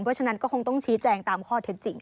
เพราะฉะนั้นก็คงต้องชี้แจงตามข้อเท็จจริง